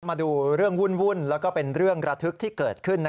มาดูเรื่องวุ่นแล้วก็เป็นเรื่องระทึกที่เกิดขึ้น